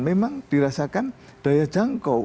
memang dirasakan daya jangkau